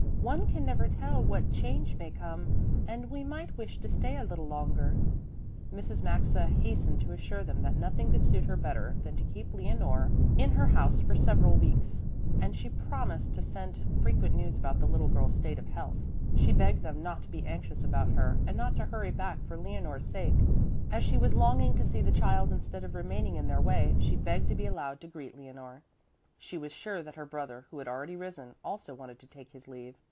One can never tell what change may come, and we might wish to stay a little longer." Mrs. Maxa hastened to assure them that nothing could suit her better than to keep Leonore in her house for several weeks and she promised to send frequent news about the little girl's state of health. She begged them not to be anxious about her and not to hurry back for Leonore's sake. As she was longing to see the child instead of remaining in their way, she begged to be allowed to greet Leonore. She was sure that her brother, who had already risen, also wanted to take his leave.